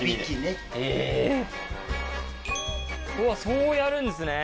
うわそうやるんですね。